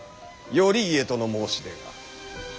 頼家との申し出が。